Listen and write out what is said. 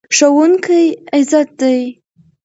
ښوونکی عزت دی.